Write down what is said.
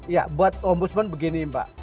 ya buat om budsman begini mbak